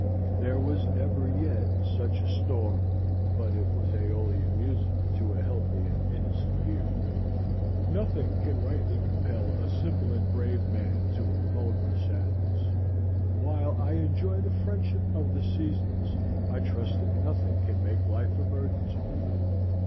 There was never yet such a storm but it was Æolian music to a healthy and innocent ear. Nothing can rightly compel a simple and brave man to a vulgar sadness. While I enjoy the friendship of the seasons I trust that nothing can make life a burden to me.